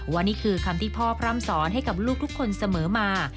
นี่คือคำที่พ่อพร่ำสอนให้กับลูกทุกคนเสมอมา